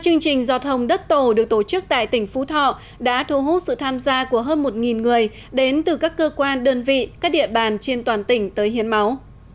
chương trình giọt hồng đất tổ được tổ chức tại tỉnh phú thọ đã thu hút sự tham gia của hơn một người đến từ các cơ quan đơn vị các địa bàn trên toàn tỉnh tới hiến máu